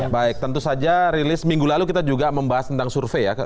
baik tentu saja rilis minggu lalu kita juga membahas tentang survei ya